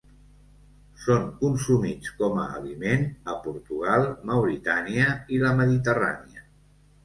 Són consumits com a aliment a Portugal, Mauritània i la Mediterrània.